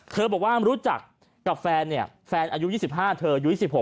บอกว่ารู้จักกับแฟนเนี่ยแฟนอายุ๒๕เธออายุ๒๖